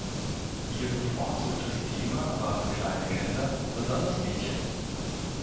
Ihr bevorzugtes Thema waren kleine Kinder, besonders Mädchen.